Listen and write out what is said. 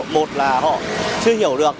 một là họ chưa hiểu được